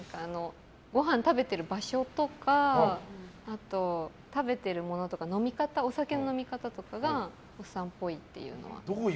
ごはん食べている場所とかあと、食べているものとかお酒の飲み方とかがおっさんぽいというのは。